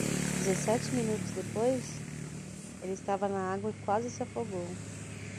Dezessete minutos depois,? ela estava na água e quase se afogou.